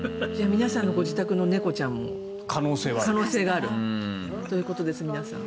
皆さんのご自宅の猫ちゃんも可能性があると。ということです、皆さん。